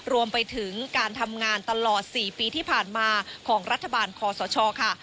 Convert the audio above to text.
รวมไปถึงการทำงานตลอด๔ปีที่ผ่านมาของรัฐบาลคอสชค่ะ